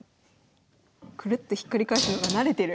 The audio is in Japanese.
クルッとひっくり返すのが慣れてる。